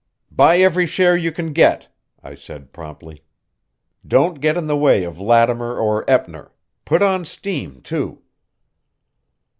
"Buy every share you can get," I said promptly. "Don't get in the way of Lattimer or Eppner. Put on steam, too."